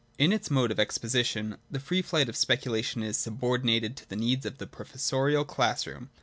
In its mode of exposition the free flight of speculation is subordinated to the needs of the professorial class room.